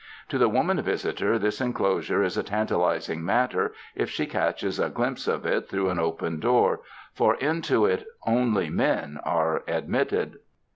To the woman visitor this enclosure is a tantalizing matter, if she catches a glimpse of it through an open door, for into it only men are admitted.